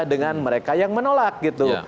dengan mereka yang menolak gitu